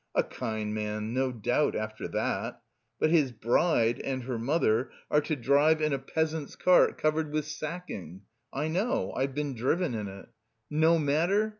A kind man, no doubt after that! But his bride and her mother are to drive in a peasant's cart covered with sacking (I know, I have been driven in it). No matter!